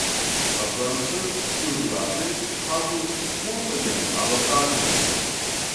La franca, tiurilate, havus multajn avantaĝojn.